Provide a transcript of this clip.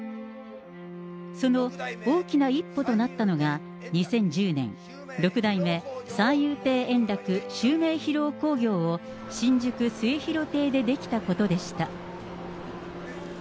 その大きな一歩となったのが、２０１０年、六代目三遊亭円楽襲名披露興行を、新宿・すえひろ亭でできたことでした。